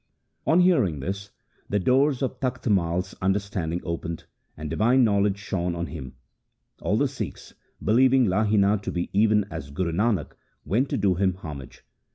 2 On hearing this the doors of Takht Mai's under standing opened, and divine knowledge shone on him. All the Sikhs, believing Lahina to be even as Guru Nanak, went to do him homage.